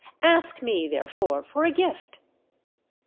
Ask me, therefore, for a gift."